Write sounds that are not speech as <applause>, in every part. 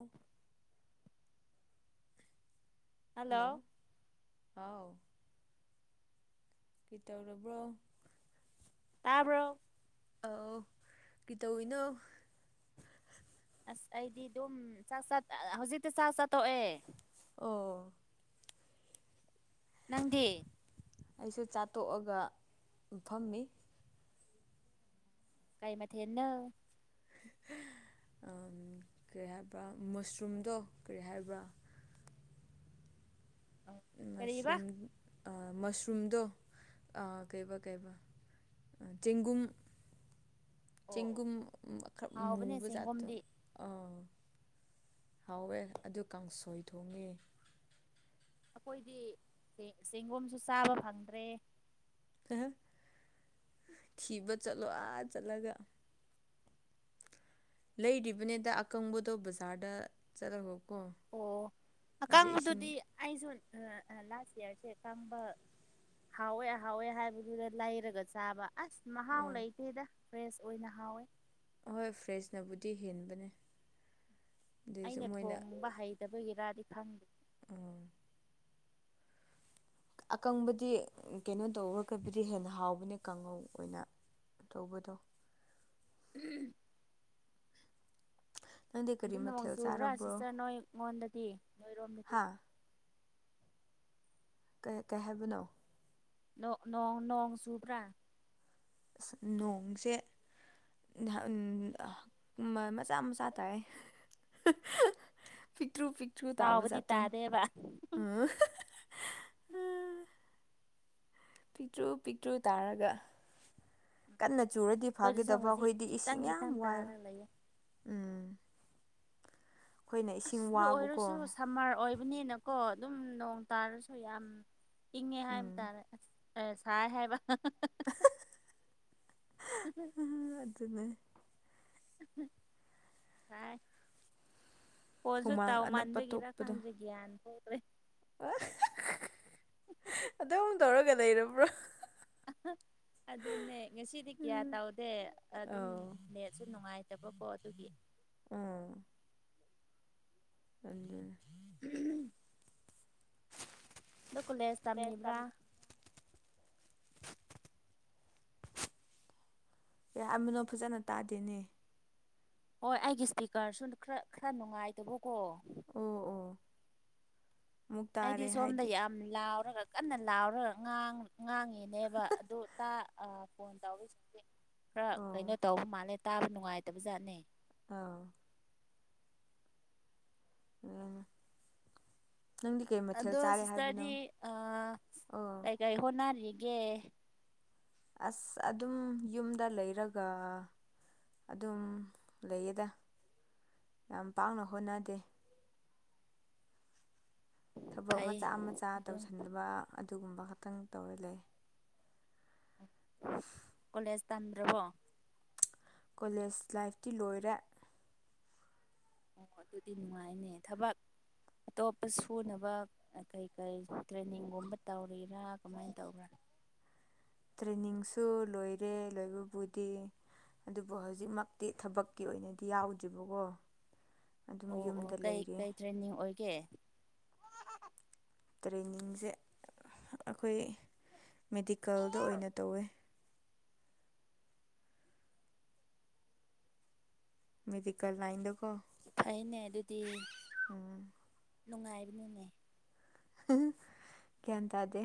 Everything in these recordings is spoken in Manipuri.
ꯎ ꯍꯜꯂꯣ ꯍꯥꯎ ꯀꯇꯥꯧ ꯔꯕ꯭ꯔꯣ ꯇꯥꯕ꯭ꯔꯣ ꯑꯥꯎ ꯒꯤꯇꯧꯏꯅꯣ ꯑꯁ ꯑꯩꯗꯤ ꯑꯗꯨꯝ ꯆꯥꯛ ꯆꯥ ꯑ ꯍꯧꯖꯤꯛꯇꯤ ꯆꯥꯛ ꯆꯥꯇꯣꯛꯑꯦ ꯑꯣ ꯅꯪꯗꯤ ꯑꯩꯁꯨ ꯆꯥꯠꯇꯣꯛꯑꯒ ꯐꯝꯃꯤ ꯀꯥꯏ ꯃꯥ ꯊꯦꯟꯅ ꯀꯔꯤ ꯍꯥꯏꯕ꯭ꯔꯥ ꯃꯁꯔꯨꯝꯗꯣ ꯀꯔꯤ ꯍꯥꯏꯕ꯭ꯔꯥ ꯀꯔꯤꯕ ꯃꯁꯔꯨꯝ ꯃꯁꯔꯨꯝꯗꯣ ꯀꯩꯕ ꯀꯩꯕ ꯆꯦꯡꯒꯨꯝ ꯑꯣ ꯑꯣ ꯆꯦꯡꯒꯨꯝ ꯑꯃ ꯈꯔ ꯍꯥꯎꯕꯅꯦ ꯃꯨꯕꯖꯥꯠꯇꯣ ꯆꯦꯡꯒꯨꯝꯗꯤ ꯑꯥ ꯍꯥꯎꯋꯦ ꯑꯗꯨ ꯀꯥꯡꯁꯣꯏ ꯊꯣꯡꯉꯦ ꯑꯩꯈꯣꯏꯗꯤ ꯆꯦꯡ ꯆꯦꯡꯒꯨꯝꯁꯨ ꯆꯥꯕ ꯐꯪꯗ꯭ꯔꯦ <unintelligible> ꯊꯤꯕ ꯆꯠꯂꯣ ꯑꯥ ꯆꯠꯂꯒ ꯂꯩꯔꯤꯕꯅꯦꯗ ꯑꯀꯪꯕꯗꯣ ꯕꯖꯥꯔꯗ ꯆꯠꯂꯒꯀꯣ ꯑꯣ ꯑꯗꯨ ꯏꯁꯤꯡ ꯑꯀꯥꯡꯕꯗꯨꯗꯤ ꯑꯩꯁꯨ ꯂꯥꯁ ꯏꯌꯥꯔꯁꯦ ꯑꯀꯥꯡꯕ ꯍꯥꯎꯋꯦ ꯍꯥꯎꯋꯦ ꯍꯥꯏꯕꯗꯨꯗ ꯂꯩꯔꯒ ꯆꯥꯕ ꯑꯁ ꯃꯍꯥꯎ ꯑꯥ ꯂꯩꯇꯦꯗ ꯐ꯭ꯔꯦꯁ ꯑꯣꯏꯅ ꯍꯥꯎꯋꯦ ꯑꯍꯣꯏ ꯐ꯭ꯔꯦꯁꯅꯕꯨꯗꯤ ꯍꯦꯟꯕꯅꯦ ꯑꯗꯨꯏꯁꯨ ꯑꯩꯅ ꯊꯣꯡꯕ ꯍꯩꯇꯕꯒꯤꯔꯗꯤ ꯈꯪꯗꯦ ꯑꯣ ꯑꯀꯪꯕꯗꯤ ꯀꯩꯅꯣ ꯇꯧꯔꯒꯕꯨꯗꯤ ꯍꯦꯟꯅ ꯍꯥꯎꯕꯅꯦ ꯀꯥꯡꯍꯧ ꯑꯣꯏꯅ ꯇꯧꯕꯕꯨꯗꯣ ꯎꯝ ꯅꯪꯗꯤ ꯀꯔꯤ ꯑꯗꯨ ꯅꯣꯡ ꯃꯊꯦꯜ ꯆꯨꯕ꯭ꯔꯥ ꯆꯥꯔꯕ꯭ꯔꯣ ꯁꯤꯁꯇꯔ ꯅꯣꯏ ꯑꯩꯉꯣꯟꯗꯗꯤ ꯅꯣꯏꯔꯣꯝꯗꯗꯤ ꯍꯥ ꯀ ꯀꯩ ꯍꯥꯏꯕꯅꯣ ꯣꯡ ꯅꯣꯡ ꯁꯨꯕ꯭ꯔꯥ ꯑ ꯅꯣꯡꯁꯦ ꯃꯆꯥ ꯃꯆꯥ ꯇꯥꯏꯦ <unintelligible> ꯄꯤꯛꯇ꯭ꯔꯨ ꯄꯤꯛꯇ꯭ꯔꯨ ꯇꯥꯕ ꯆꯥꯎꯕꯗꯤ ꯖꯥꯠꯇꯣ ꯇꯥꯗꯦꯕ ꯑ <unintelligible> ꯄꯤꯛꯇ꯭ꯔꯨ ꯄꯤꯛꯇ꯭ꯔꯨ ꯇꯥꯔꯒ ꯀꯟꯅ ꯆꯨꯔꯗꯤ ꯑꯩꯈꯣꯏꯗꯁꯨ ꯐꯥꯒꯗꯕ ꯍꯧꯖꯤꯛ ꯑꯩꯈꯣꯏꯗꯤ ꯈꯤꯇꯪ ꯏꯁꯤꯡ ꯌꯥꯝ ꯈꯤꯇꯪ ꯋꯥꯏꯌꯦ ꯇꯥꯔ ꯂꯩꯌꯦ ꯎꯝ ꯑꯩꯈꯣꯏꯅ ꯑꯁ ꯏꯁꯤꯡ ꯑꯗꯨ ꯋꯥꯕꯀꯣ ꯑꯣꯏꯔꯁꯨ ꯁꯝꯃꯔ ꯑꯣꯏ ꯅꯦꯅꯀꯣ ꯑꯗꯨꯝ ꯅꯣꯡ ꯇꯥꯔꯁꯨ ꯌꯥꯝ ꯏꯪꯉꯦ ꯍꯥꯏꯕ ꯎꯝ ꯇꯥꯔꯦ ꯑꯁ ꯑꯦ ꯁꯥꯏ ꯍꯥꯏꯕ <unintelligible> <unintelligible> ꯑꯗꯨꯅꯦ <unintelligible> ꯍꯥꯏ ꯄꯣꯁꯖꯨ ꯍꯨꯃꯥꯡ ꯑꯅꯞꯄ ꯇꯧꯃꯟꯕꯒꯤꯔ ꯊꯣꯛꯄꯗꯣ ꯈꯪꯗ꯭ꯔꯤ ꯒ꯭ꯌꯥꯟ ꯇꯣꯈ꯭ꯔꯦ <unintelligible> ꯑꯗꯨꯝ ꯇꯧꯔꯒ ꯂꯩꯔꯕ꯭ꯔꯣ ꯑ <unintelligible> ꯑꯗꯨꯅꯦ ꯉꯁꯤꯗꯤ ꯀꯌꯥ ꯇꯧꯗꯦ ꯑꯗꯨꯝ ꯑꯧ ꯅꯦꯠꯁꯨ ꯅꯨꯡꯉꯥꯏꯇꯕꯀꯣ ꯑꯗꯨꯒꯤ ꯑꯥ <unintelligible> <unintelligible> ꯑꯗꯣ ꯀꯣꯂꯦꯖ ꯇꯝꯃꯤꯕ꯭ꯔꯥ ꯌꯥꯑꯝ ꯃꯤꯅꯣ ꯐꯖꯅ ꯇꯥꯗꯦꯅꯦ ꯍꯣꯏ ꯑꯩꯒꯤ ꯏꯁꯄꯤꯀꯔꯁꯨ ꯈꯔ ꯈꯔ ꯅꯨꯡꯉꯥꯏꯇꯕꯀꯣ ꯑꯣ ꯑꯣ ꯑꯃꯨꯛ ꯑꯩꯗꯤ ꯇꯥꯔꯦ ꯁꯣꯝꯗ ꯍꯥꯏꯗꯤ ꯌꯥꯑꯞ__ ꯂꯥꯎꯔꯒ ꯀꯟꯅ ꯂꯥꯎꯔꯒ ꯉꯥꯡ ꯉꯥꯡꯉꯤꯅꯦꯕ ꯑꯗꯨ ꯇꯥ ꯑ ꯐꯣꯟ ꯇꯧꯔꯤꯁꯦ__ <inaudible> ꯈꯔ ꯀꯩꯅꯣ ꯇꯧꯕ ꯃꯥꯜꯂꯦ ꯇꯥꯕ ꯅꯨꯡꯉꯥꯏꯇꯕ ꯖꯥꯠꯅꯦ ꯑꯥ <unintelligible> ꯅꯪꯗꯤ ꯀꯩ ꯃꯊꯦꯜ ꯑꯗꯣ ꯆꯥꯔꯦ ꯍꯥꯏꯕꯅꯣ ꯁꯤꯁꯇꯔꯗꯤ ꯑꯥ ꯑꯣ ꯀꯩ ꯀꯩ ꯍꯣꯠꯅꯔꯤꯒꯦ ꯑꯁ ꯑꯗꯨꯝ ꯌꯨꯝꯗ ꯂꯩꯔꯒ ꯑꯗꯨꯝ ꯂꯩꯌꯦꯗ ꯌꯥꯝ ꯄꯥꯛꯅ ꯍꯣꯠꯅꯗꯦ ꯊꯕꯛ ꯐꯩ ꯃꯆꯥ ꯃꯆꯥ ꯑꯗꯨꯝ ꯇꯧꯁꯟꯗꯕ ꯑꯗꯨꯒꯨꯝꯕ ꯈꯛꯇꯪ ꯇꯧꯔ ꯂꯩꯌꯦ ꯀꯣꯂꯦꯖ ꯇꯝꯗ꯭ꯔꯕꯣ ꯀꯣꯂꯦꯖ ꯂꯥꯏꯐꯇꯤ ꯂꯣꯏꯔꯦ ꯑꯣ ꯑꯗꯨꯗꯤ ꯅꯨꯡꯉꯥꯏꯅꯦ ꯊꯕꯛ ꯑꯇꯣꯞꯄ ꯁꯨꯅꯕ ꯑꯣ ꯀꯩ ꯀꯩ ꯇ꯭ꯔꯦꯟꯅꯤꯡꯒꯨꯝꯕ ꯇꯧꯔꯤꯔꯥ ꯀꯃꯥꯏꯟ ꯇꯧꯕ꯭ꯔꯥ ꯇ꯭ꯔꯦꯅꯤꯡꯁꯨ ꯂꯣꯏꯔꯦ ꯂꯣꯏꯕꯕꯨꯗꯤ ꯑꯗꯨꯕꯨ ꯍꯧꯖꯤꯛꯃꯛꯇꯤ ꯊꯕꯛꯀꯤ ꯑꯣꯏꯅꯗꯤ ꯌꯥꯎꯗ꯭ꯔꯤꯕꯀꯣ ꯑꯗꯨꯝ ꯌꯨꯝꯗ ꯂꯩꯔꯦ ꯇ꯭ꯔꯦꯟꯅꯤꯡ ꯑꯣꯏꯒꯦ ꯇ꯭ꯔꯦꯟꯅꯤꯡꯖꯦ ꯑꯈꯣꯏ ꯃꯦꯗꯤꯀꯜꯗ ꯑꯣꯏꯅ ꯇꯧꯋꯦ ꯃꯦꯗꯤꯀꯜ ꯂꯥꯏꯟꯗꯀꯣ ꯐꯩꯅꯦ ꯑꯗꯨꯗꯤ ꯎꯝ ꯅꯨꯡꯉꯥꯏꯕꯅꯤꯅꯦ <unintelligible> ꯒ꯭ꯌꯥꯟ ꯇꯥꯗꯦ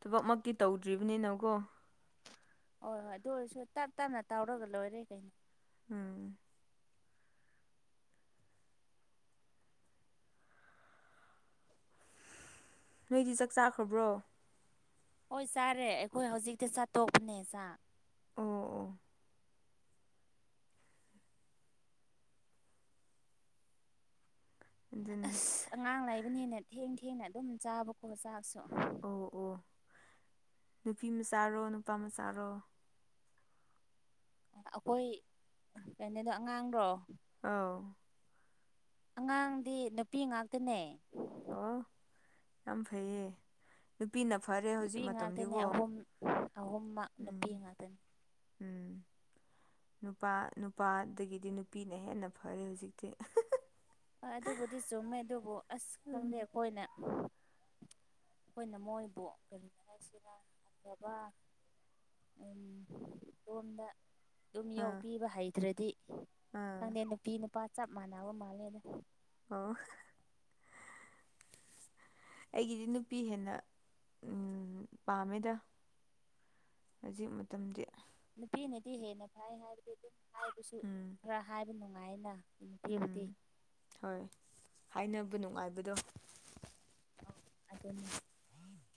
ꯊꯕꯛ ꯃꯛꯇꯤ ꯇꯧꯗ꯭ꯔꯤꯕꯅꯤꯅꯀꯣ ꯍꯣꯏ ꯍꯣꯏ ꯑꯗꯨ ꯑꯣꯏꯔꯁꯨ ꯇꯞ ꯇꯞꯅ ꯇꯧꯔꯒ ꯂꯣꯏꯔꯦ ꯀꯩꯅꯣ ꯎꯝ ꯅꯣꯏꯗꯤ ꯆꯥꯛ ꯆꯥꯈ꯭ꯔꯕ꯭ꯔꯣ ꯍꯣꯏ ꯆꯥꯔꯦ ꯑꯩꯈꯣꯏ ꯍꯧꯖꯤꯛꯇ ꯆꯥꯠꯇꯣꯛꯄꯅꯦ ꯆꯥ ꯑꯣ ꯑꯣ ꯑꯗꯨꯅꯦ ꯑꯁ ꯑꯉꯥꯡ ꯂꯩꯕꯅꯤꯅ ꯊꯦꯡ ꯊꯦꯡꯅ ꯑꯗꯨꯝ ꯆꯥꯕꯀꯣ ꯆꯥꯛꯁꯨ ꯑꯣ ꯑꯣ ꯅꯨꯄꯤ ꯃꯆꯥꯔꯣ ꯅꯨꯄꯥ ꯃꯆꯥꯔꯣ ꯑꯈꯣꯏ ꯀꯩꯅꯣꯗꯣ ꯑꯉꯥꯡꯔꯣ ꯑꯧ ꯑꯉꯥꯡꯗꯤ ꯅꯨꯄꯤ ꯉꯥꯛꯇꯅꯦ ꯑꯣ ꯌꯥꯝ ꯐꯩꯌꯦ ꯅꯨꯄꯤꯅ ꯐꯔꯦ ꯍꯧꯖꯤꯛ ꯅꯨꯄꯤ ꯉꯥꯛꯇꯅꯦ ꯃꯇꯝꯗꯤꯒꯣ ꯑꯍꯨꯝ ꯑꯍꯨꯝꯃꯛ ꯅꯨꯄꯤ ꯎꯝ ꯉꯥꯛꯇꯅꯤ ꯎꯝ ꯅꯨꯄꯥ ꯅꯨꯄꯥꯗꯒꯤꯗꯤ ꯅꯨꯄꯤꯅ ꯍꯦꯟꯅ ꯐꯔꯦ ꯍꯧꯖꯤꯛꯇꯤ ꯍꯣꯏ ꯑꯗꯨꯕꯨꯗꯤ ꯆꯨꯝꯃꯦ ꯑꯗꯨꯕꯨ ꯑꯁ ꯈꯪꯗꯦ ꯎꯝ ꯑꯩꯈꯣꯏꯅ ꯑꯩꯈꯣꯏꯅ ꯃꯣꯏꯕꯨ ꯀꯔꯤ ꯍꯥꯏꯁꯤꯔ ꯑꯐꯕ ꯎꯝ ꯔꯣꯝꯗ ꯑꯗꯨꯝ ꯑꯥ ꯌꯣꯛꯄꯤꯕ ꯍꯩꯇ꯭ꯔꯗꯤ ꯑꯥ ꯈꯪꯗꯦ ꯅꯨꯄꯤ ꯅꯨꯄꯥ ꯆꯞ ꯃꯥꯟꯅꯕ ꯃꯥꯜꯂꯦꯗ ꯑꯣ ꯑꯩꯒꯤꯗꯤ ꯅꯨꯄꯤ ꯍꯦꯟꯅ ꯎꯝ ꯄꯥꯝꯃꯦꯗ ꯍꯧꯖꯤꯛ ꯃꯇꯝꯗꯤ ꯅꯨꯄꯤꯅꯗꯤ ꯍꯦꯟꯅ ꯐꯩ ꯍꯥꯏꯕꯗꯤ ꯑꯗꯨꯝ ꯍꯥꯏꯕꯁꯨ ꯎꯝ ꯈꯔ ꯍꯥꯏꯕ ꯅꯨꯡꯉꯥꯏꯅ ꯎꯝ ꯄꯦꯕꯨꯇꯤ ꯍꯣꯏ ꯍꯥꯏꯅꯕ ꯅꯨꯡꯉꯥꯏꯕꯗꯣ ꯑꯧ ꯑꯗꯨꯅꯦ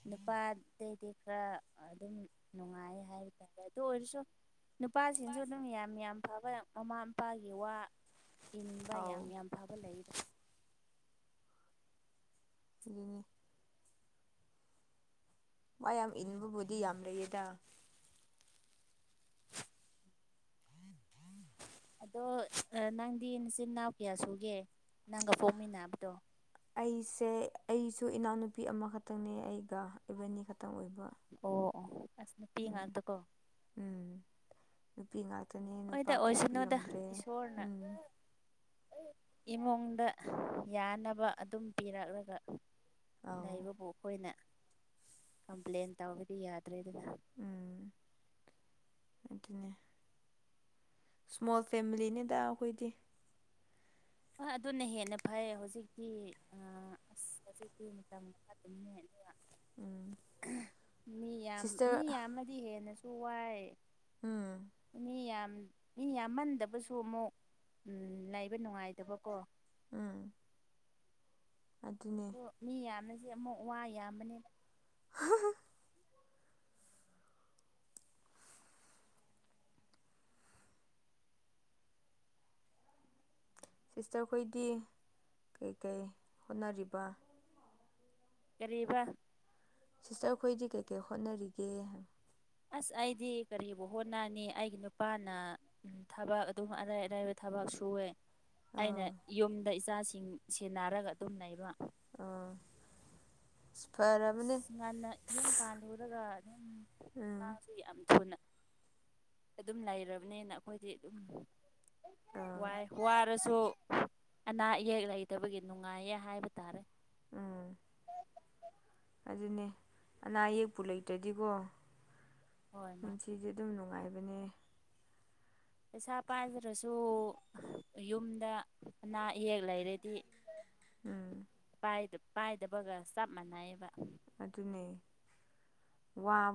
ꯅꯨꯄꯥꯗꯩꯗꯤ ꯈꯔ ꯑꯗꯨꯝ ꯅꯨꯡꯉꯥꯏꯌꯦ ꯍꯥꯏꯕꯇꯥꯔꯦ ꯑꯗꯨ ꯑꯣꯏꯔꯁꯨ ꯅꯨꯄꯥꯁꯤꯡꯁꯨ ꯑꯗꯨꯝ ꯌꯥꯝ ꯌꯥꯝ ꯐꯕꯅ ꯃꯃꯥ ꯃꯄꯥꯒꯤ ꯋꯥ ꯏꯟꯕ ꯌꯥꯝ ꯑꯥꯎ ꯌꯥꯝ ꯐꯕ ꯂꯩꯌꯦꯗ ꯑꯗꯨꯅꯦ ꯋꯥ ꯌꯥꯝ ꯏꯟꯕꯕꯨꯗꯤ ꯌꯥꯝ ꯂꯩꯌꯦꯗ ꯑꯗꯣ ꯑ ꯅꯪꯗꯤ ꯅꯆꯤꯟ ꯅꯥꯎ ꯀꯌꯥ ꯁꯨꯒꯦ ꯅꯪꯒ ꯄꯣꯛꯃꯤꯟꯅꯕꯗꯣ ꯑꯩꯁꯦ ꯑꯩꯁꯨ ꯏꯅꯥꯎꯅꯨꯄꯤ ꯑꯃꯈꯛꯇꯪꯅꯦ ꯑꯩꯒ ꯏꯕꯥꯅꯤ ꯈꯛꯇꯪ ꯑꯣꯏꯕ ꯑꯣ ꯑꯣ ꯑꯁ ꯅꯨꯄꯤ ꯎꯝ ꯉꯥꯛꯇ ꯀꯣ ꯎꯝ ꯅꯨꯄꯤ ꯉꯥꯛꯇꯅꯦ ꯅꯨꯄꯥ ꯍꯣꯏꯗ ꯑꯣꯏꯁꯅꯨꯗ ꯄꯣꯛꯄꯤꯔꯝꯗ꯭ꯔꯦ ꯏꯁꯣꯔꯅ ꯎꯝ ꯏꯃꯨꯡꯗ ꯌꯥꯅꯕ ꯑꯗꯨꯝ ꯄꯤꯔꯛꯂꯒ ꯑꯧ ꯂꯩꯕꯕꯨ ꯑꯈꯣꯏꯅ ꯀꯝꯄ꯭ꯂꯦꯟ ꯇꯧꯕꯗꯤ ꯌꯥꯗ꯭ꯔꯦꯗꯅ ꯎꯝ ꯑꯗꯨꯅꯦ ꯏꯁꯃꯣꯜ ꯐꯦꯃꯤꯂꯤꯅꯤꯗ ꯑꯈꯣꯏꯗꯤ ꯍꯣꯏ ꯑꯗꯨꯅ ꯍꯦꯟꯅ ꯐꯩ ꯍꯧꯖꯤꯛꯇꯤ ꯑ ꯑꯁ ꯍꯧꯖꯤꯛꯇꯤ ꯃꯇꯝ ꯐꯠꯇꯕꯅꯦ ꯑꯗꯨꯒ <inaudible> ꯃꯤ ꯌꯥꯝ ꯃꯤ ꯁꯤꯁꯇꯔ ꯌꯥꯝꯅꯗꯤ ꯍꯦꯟꯅꯁꯨ ꯋꯥꯏ ꯎꯝ ꯃꯤ ꯌꯥꯝ ꯃꯤ ꯌꯥꯝꯃꯟꯗꯕꯁꯨ ꯑꯃꯨꯛ ꯂꯩꯕ ꯅꯨꯡꯉꯥꯏꯇꯕꯀꯣ ꯎꯝ ꯑꯗꯨꯅꯦ ꯑꯗꯣ ꯃꯤ ꯌꯥꯝꯕꯁꯦ ꯑꯃꯨꯛ ꯋꯥ ꯌꯥꯝꯕꯅꯤꯅ ꯍꯥꯍꯥꯍꯥ ꯁꯤꯁꯇ꯭ꯔ ꯈꯣꯏꯗꯤ ꯀꯩꯀꯩ ꯍꯣꯠꯅꯔꯤꯕ ꯀꯔꯤꯕꯥ ꯁꯤꯁꯇ꯭ꯔ ꯑꯩꯈꯣꯏꯗꯤ ꯀꯩꯀꯩ ꯍꯣꯠꯅꯔꯤꯒꯦ ꯍꯥꯏꯝ ꯑꯁ ꯑꯩꯗꯤ ꯀꯔꯤꯕꯨ ꯍꯣꯠꯅꯅꯤ ꯑꯩꯒꯤ ꯅꯨꯄꯥꯅ ꯎꯝ ꯊꯕꯛ ꯑꯗꯨꯝ ꯑꯔꯩ ꯑꯔꯩꯕ ꯊꯕꯛ ꯁꯨꯋꯦ ꯑꯩꯅ ꯑꯥ ꯌꯨꯝꯗ ꯏꯆꯥꯁꯤꯡ ꯁꯦꯟꯅꯔꯒ ꯑꯗꯨꯝ ꯂꯩꯕ ꯑꯣ ꯐꯔꯕꯅꯦ ꯉꯟꯅ ꯌꯨꯝ ꯄꯥꯜꯂꯨꯔꯒ ꯑꯗꯨꯝ ꯎꯝ ꯑꯉꯥꯡꯁꯦ ꯌꯥꯝ ꯊꯨꯅ ꯑꯗꯨꯝ ꯂꯩꯔꯕꯅꯤꯅ ꯑꯩꯈꯣꯏꯗꯤ ꯑꯗꯨꯝ ꯋꯥꯏ ꯑꯥ ꯋꯥꯏ ꯑꯣꯏꯔꯁꯨ ꯑꯅꯥ ꯑꯌꯦꯛ ꯂꯩꯇꯕꯒꯤ ꯅꯨꯡꯉꯥꯏꯌꯦ ꯍꯥꯏꯕ ꯇꯥꯔꯦ ꯎꯝ ꯑꯗꯨꯅꯦ ꯑꯅꯥ ꯑꯌꯦꯛꯄꯨ ꯂꯩꯇ꯭ꯔꯗꯤꯀꯣ ꯍꯣꯏ ꯃꯥꯅꯦ ꯄꯨꯟꯁꯤꯁꯦ ꯑꯗꯨꯝ ꯅꯨꯡꯉꯥꯏꯕꯅꯦ ꯄꯩꯁꯥ ꯄꯥꯏꯗ꯭ꯔꯁꯨ ꯌꯨꯝꯗ ꯑꯅꯥ ꯑꯌꯦꯛ ꯂꯩꯔꯗꯤ ꯎꯝ ꯄꯥꯏꯗꯕꯒ ꯆꯞ ꯃꯥꯟꯅꯩꯑꯕ ꯑꯗꯨꯅꯦ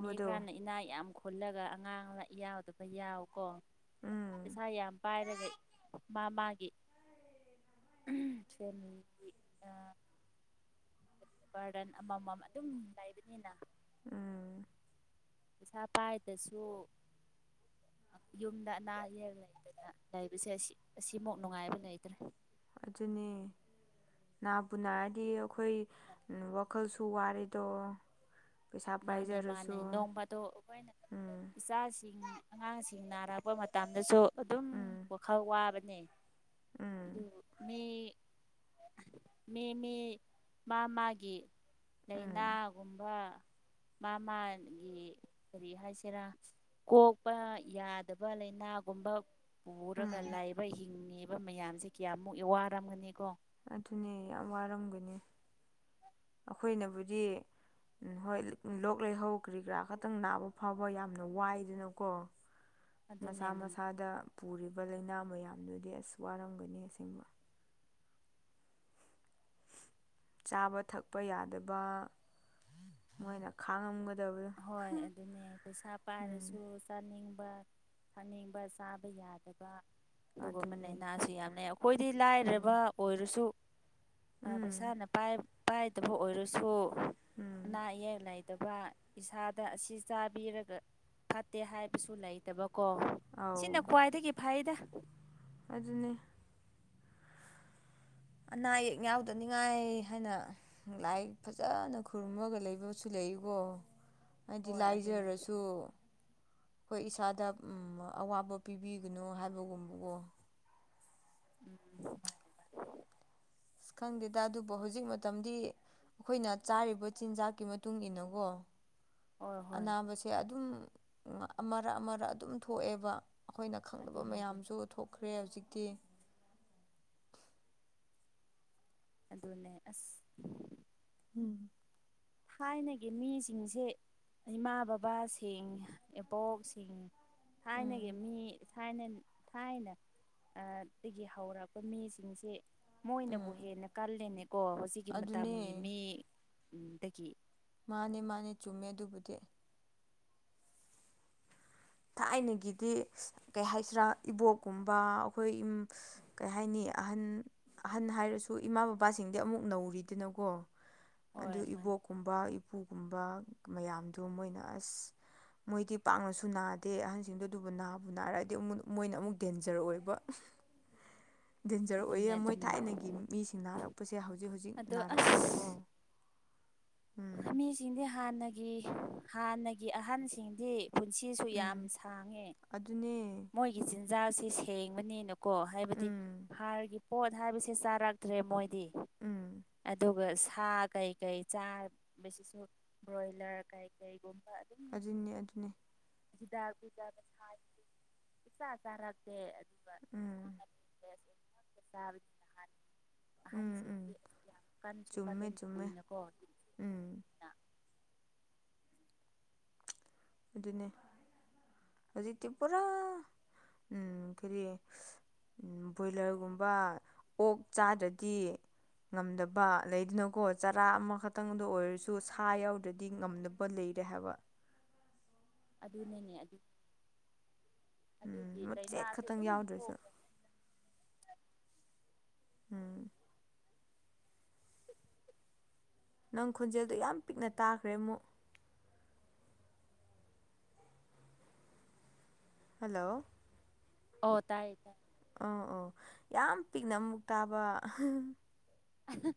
ꯃꯤ ꯈꯔꯅ ꯏꯅꯥꯛ ꯌꯥꯝ ꯈꯨꯜꯂꯒ ꯑꯉꯥꯡ ꯌꯥꯎꯗꯕ ꯌꯥꯎ ꯀꯣ ꯎꯝ ꯄꯩꯁꯥ ꯌꯥꯝ ꯄꯥꯏꯔꯒ ꯃꯥ ꯃꯥꯒꯤ ꯁꯃꯤꯒꯤ ꯕꯥꯔꯗꯟ ꯑꯃꯃꯝ ꯑꯗꯨꯝ ꯂꯩꯕꯅꯤꯅ ꯎꯝ ꯄꯩꯁꯥ ꯄꯥꯏꯗꯁꯨ ꯌꯨꯝꯗ ꯑꯅꯥ ꯑꯌꯦꯛ ꯂꯩꯕꯅ ꯂꯩꯕꯁꯦ ꯑꯁꯤꯃꯨ ꯅꯨꯡꯉꯥꯏꯕ ꯂꯩꯇ꯭ꯔꯦ ꯑꯗꯨꯅꯦ ꯅꯥ ꯄꯨꯅꯔꯗꯤ ꯑꯩꯈꯣꯏ ꯋꯥꯈꯜꯁꯨ ꯋꯥꯔꯦꯗꯣ ꯄꯩꯁꯥ ꯃꯥꯅꯦ ꯃꯥꯅꯦ ꯄꯥꯏꯖꯔꯁꯨ ꯅꯣꯡꯃꯗꯣ ꯑꯩꯈꯣꯏꯅ ꯎꯝ ꯏꯆꯥꯁꯤꯡ ꯑꯉꯥꯡꯁꯤꯡ ꯅꯥꯔꯛꯄ ꯃꯇꯝꯗꯁꯨ ꯑꯗꯨꯝ ꯎꯝ ꯋꯥꯈꯜ ꯋꯥꯕꯅꯤ ꯑꯗꯨ ꯎꯝ ꯃ ꯃꯤ ꯃꯤ ꯃꯥ ꯃꯥꯒꯤ ꯎꯝ ꯂꯥꯏꯅꯥꯒꯨꯝꯕ ꯃꯥ ꯃꯥꯒꯤ ꯀꯔꯤ ꯍꯥꯏꯁꯤꯦꯔꯥ ꯀꯣꯛꯄ ꯌꯥꯗꯕ ꯂꯩꯅꯥꯒꯨꯝꯕ ꯄꯨꯔꯒ ꯎꯝ ꯂꯩꯕ ꯍꯤꯡꯉꯤꯕ ꯃꯌꯥꯝꯁꯦ ꯀꯌꯥꯃꯨꯛ ꯋꯥꯔꯝꯒꯅꯤꯀꯣ ꯑꯗꯨꯅꯦ ꯌꯥꯝ ꯋꯥꯔꯝꯒꯅꯤ ꯑꯩꯈꯣꯏꯅꯕꯨꯗꯤ ꯍꯣꯏ ꯂꯣꯛ ꯂꯩꯍꯧ ꯀꯔꯤ ꯀꯔꯥ ꯈꯛꯇꯪ ꯅꯥꯕ ꯐꯥꯎꯕ ꯌꯥꯝꯅ ꯋꯥꯏꯗꯅꯀꯣ ꯑꯗꯨꯅꯦ ꯃꯁꯥ ꯑꯗꯨꯅꯦ ꯃꯁꯥꯗ ꯄꯨꯔꯤꯕ ꯂꯩꯅꯥ ꯃꯌꯥꯝꯗꯨꯗꯤ ꯑꯁ ꯋꯥꯔꯝꯒꯅꯤ ꯑꯁꯦꯡꯕ ꯆꯥꯕ ꯊꯛꯄ ꯌꯥꯗꯕ ꯃꯣꯏꯅ ꯈꯥꯡꯉꯝꯒꯗꯕꯅꯤ ꯍꯣꯏ ꯑꯗꯨꯅꯦ ꯄꯩꯁꯥ ꯄꯥꯏꯔꯁꯨ ꯆꯥꯅꯤꯡꯕ ꯊꯛꯅꯤꯡꯕ ꯆꯥꯕ ꯌꯥꯗꯕ ꯑꯗꯨꯒꯨꯝꯕ ꯑꯗꯨꯅꯤ ꯂꯥꯏꯅꯥꯁꯤ ꯌꯥꯝꯅ ꯑꯩꯈꯣꯏꯗꯤ ꯎꯝ ꯂꯥꯏꯔꯕ ꯑꯣꯏꯔꯁꯨ ꯎꯝ ꯄꯩꯁꯥꯅ ꯄꯥꯏꯗꯕ ꯑꯣꯏꯔꯁꯨ ꯎꯝ ꯑꯅꯥ ꯑꯌꯦꯛ ꯂꯩꯇꯕ ꯏꯁꯥꯗ ꯑꯁꯤ ꯆꯥꯕꯤꯔꯒ ꯐꯠꯇꯦ ꯍꯥꯏꯕꯁꯨ ꯂꯩꯇꯕꯀꯣ ꯑꯧ ꯁꯤꯅ ꯈ꯭ꯋꯥꯏꯗꯒꯤ ꯐꯩꯗ ꯑꯗꯨꯅꯤ ꯑꯅꯥ ꯑꯌꯦꯛ ꯌꯥꯎꯗꯅꯤꯉꯥꯏ ꯍꯥꯏꯅ ꯂꯥꯏ ꯐꯖꯅ ꯈꯨꯔꯨꯝꯃꯒ ꯂꯩꯕꯁꯨ ꯂꯩꯀꯣ ꯍꯥꯏꯗꯤ ꯍꯣꯏ ꯑꯗꯨꯅꯦ ꯂꯥꯏꯖꯔꯁꯨ ꯑꯩꯈꯣꯏ ꯏꯁꯥꯗ ꯑꯋꯥꯕ ꯄꯤꯕꯤꯒꯅꯨ ꯍꯥꯏꯕꯒꯨꯝꯕꯗꯣ ꯎꯝ ꯃꯥꯅꯦ ꯑ ꯈꯪꯗꯦꯗ ꯑꯗꯨꯕꯨ ꯍꯧꯖꯤꯛ ꯃꯇꯝꯗꯤ ꯑꯩꯈꯣꯏꯅ ꯆꯥꯔꯤꯕ ꯆꯤꯟꯖꯥꯛꯀꯤ ꯃꯇꯨꯡ ꯏꯟꯅꯀꯣ ꯍꯣꯏ ꯍꯣꯏ ꯑꯅꯥꯕꯁꯦ ꯑꯗꯨꯝ ꯑꯃꯔꯛ ꯑꯃꯔꯛ ꯑꯗꯨꯝ ꯊꯣꯛꯑꯦꯕ ꯑꯩꯈꯣꯏꯅ ꯈꯪꯗꯅꯕ ꯑꯗꯨꯅꯦ ꯑꯗꯨꯅꯦ ꯃꯌꯥꯝꯁꯨ ꯊꯣꯛꯈ꯭ꯔꯦ ꯍꯧꯖꯤꯛꯇꯤ ꯑꯗꯨꯅꯦ ꯑꯁ ꯎꯝ ꯊꯥꯏꯅꯒꯤ ꯃꯤꯁꯤꯡꯁꯦ ꯏꯃꯥ ꯕꯕꯥꯁꯤꯡ ꯏꯕꯣꯛꯁꯤꯡ ꯊꯥꯏꯅꯒꯤ ꯎꯝ ꯃꯤ ꯊꯥꯏꯅ ꯊꯥꯏꯅ ꯗꯗꯒꯤ ꯍꯧꯔꯛꯄ ꯃꯤꯁꯤꯡꯁꯦ ꯃꯣꯏꯅꯕꯨ ꯍꯦꯟꯅ ꯀꯜꯂꯦꯅꯦꯀꯣ ꯍꯧꯖꯤꯛꯀꯤ ꯑꯗꯨꯅꯦ ꯃꯇꯝꯒꯤ ꯃꯤ ꯗꯒꯤ ꯃꯥꯅꯦ ꯃꯥꯅꯦ ꯆꯨꯝꯃꯦ ꯑꯗꯨꯕꯨꯗꯤ ꯊꯥꯏꯅꯒꯤꯗꯤ ꯀꯩ ꯍꯥꯏꯁꯤꯔꯥ ꯏꯕꯣꯛꯀꯨꯝꯕ ꯑꯩꯈꯣꯏ ꯀꯩ ꯍꯥꯏꯅꯤ ꯑꯍꯟ ꯑꯍꯟ ꯍꯥꯏꯔꯁꯨ ꯏꯃꯥ ꯕꯕꯥꯁꯤꯡꯗꯤ ꯑꯃꯨꯛ ꯅꯧꯔꯤꯗꯅꯀꯣ ꯑꯗꯨ ꯍꯣꯏ ꯃꯥꯅꯦ ꯏꯕꯣꯛ ꯒꯨꯝꯕ ꯏꯄꯨꯒꯨꯝꯕ ꯃꯌꯥꯝꯗꯨ ꯃꯣꯏꯅ ꯑꯁ ꯃꯣꯏꯗꯤ ꯄꯥꯛꯅꯁꯨ ꯅꯥꯗꯦ ꯑꯇꯩ ꯑꯍꯟꯁꯤꯡꯗꯣ ꯑꯗꯨꯕꯨ ꯅꯥꯕ ꯅꯥꯔꯑꯗꯤ ꯃꯣꯏꯅ ꯑꯃꯨꯛ ꯗꯦꯟꯖꯔ ꯑꯣꯏꯕ ꯗꯦꯟꯖꯔ ꯑꯗꯨꯅꯦ ꯑꯣꯏꯌꯦ ꯃꯣꯏ ꯑꯗꯨꯅꯦ ꯊꯥꯏꯅꯒꯤ ꯃꯤꯁꯤꯡ ꯅꯥꯔꯛꯄꯁꯦ ꯍꯧꯖꯤꯛ ꯍꯧꯖꯤꯛ ꯑꯗꯣ ꯑꯁ ꯅꯥꯔꯛꯄꯗꯀꯣ ꯎꯝ ꯃꯤꯁꯤꯡꯗꯤ ꯍꯥꯟꯅꯒꯤ ꯍꯥꯟꯅꯒꯤ ꯑꯍꯟꯁꯤꯡꯗꯤ ꯄꯨꯟꯁꯤꯁꯨ ꯌꯥꯝ ꯎꯝ ꯁꯥꯡꯉꯦ ꯑꯗꯨꯅꯦ ꯃꯣꯏꯒꯤ ꯆꯤꯟꯖꯥꯛꯁꯤ ꯁꯦꯡꯕꯅꯤ ꯀꯣ ꯍꯥꯏꯕꯗꯤ ꯎꯝ ꯍꯥꯔꯒꯤ ꯄꯣꯠ ꯍꯥꯏꯕꯁꯦ ꯆꯥꯔꯛꯇ꯭ꯔꯦ ꯃꯣꯏꯗꯤ ꯎꯝ ꯑꯗꯨꯒ ꯁꯥ ꯀꯩꯀꯩ ꯆꯥ ꯕꯁꯤꯁꯨ ꯕ꯭ꯔꯣꯏꯂꯔ ꯀꯩ ꯀꯩꯒꯨꯝꯕ ꯑꯗꯨꯝ ꯑꯗꯨꯅꯦ ꯑꯗꯨꯅꯤ ꯍꯤꯗꯥꯛꯗ ꯆ ꯆꯥꯔꯛꯇꯦ ꯑꯗꯨ ꯎꯝ ꯁꯥ ꯎꯝ ꯎꯝ ꯑꯍꯟꯁꯤꯡꯗꯤ ꯌꯥꯝ ꯀꯥꯟꯁꯨ ꯀꯟꯂꯦ ꯆꯨꯝꯃꯦ ꯆꯨꯝꯃꯦ ꯀꯨꯏꯅꯀꯣ ꯎꯝ ꯑꯗꯨꯅꯦ ꯍꯧꯖꯤꯛꯇꯤ ꯄꯨꯔꯥ ꯎ ꯀꯔꯤ ꯕꯣꯏꯂꯔꯒꯨꯝꯕ ꯑꯣꯛ ꯆꯥꯗ꯭ꯔꯗꯤ ꯉꯝꯗꯕ ꯂꯩꯗꯅꯀꯣ ꯆꯔꯥ ꯑꯃꯈꯛꯇꯪꯗ ꯑꯣꯏꯔꯁꯨ ꯁꯥ ꯌꯥꯎꯗ꯭ꯔꯗꯤ ꯉꯝꯗ ꯂꯩꯔꯦ ꯍꯥꯏꯕ ꯑꯗꯨꯅꯤꯅꯦ ꯑꯗꯨ ꯎꯝ ꯑꯗꯨꯗꯤ ꯃꯆꯦꯠ ꯂꯥꯏꯅꯥꯁꯨ ꯈꯛꯇꯪ ꯑꯗꯨꯝ ꯌꯥꯎꯗ꯭ꯔꯁꯨ ꯄꯣꯛꯈ꯭ꯔꯦ ꯎꯝ ꯅꯪ ꯈꯣꯟꯖꯦꯜꯗꯣ ꯌꯥꯝ ꯄꯤꯛꯅ ꯇꯥꯈ꯭ꯔꯦ ꯑꯃꯨꯛ ꯍꯜꯂꯣ ꯑꯣ ꯇꯥꯏꯌꯦ ꯇꯥꯏ ꯑ ꯑ ꯌꯥꯝ ꯄꯤꯛꯅ ꯑꯃꯨꯛ ꯇꯥꯕ ꯑ